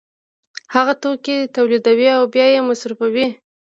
هغه توکي تولیدوي او بیا یې مصرفوي